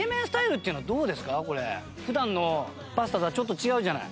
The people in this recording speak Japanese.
普段のパスタとはちょっと違うじゃない。